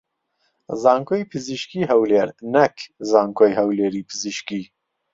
زانکۆی پزیشکیی هەولێر نەک زانکۆی هەولێری پزیشکی